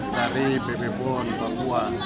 dari pb pon papua